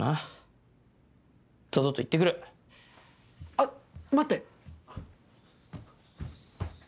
あっ待って。